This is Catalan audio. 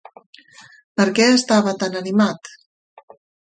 Per què estava tan animat?